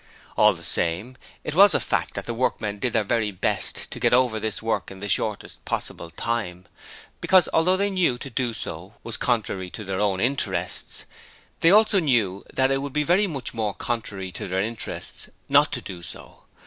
All the same, it was a fact that the workmen did do their very best to get over this work in the shortest possible time, because although they knew that to do so was contrary to their own interests, they also knew that it would be very much more contrary to their interests not to do so.